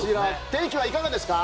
天気はいかがですか？